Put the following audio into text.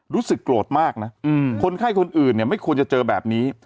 รู้สึกโกรธมากนะคนไข้คนอื่นเนี่ยไม่ควรจะเจอแบบนี้